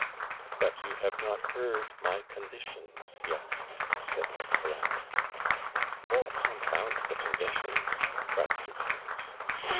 'But you have not heard my conditions yet,' said Lord Colambre. 'Oh, confound the conditions!' cried Sir Terence.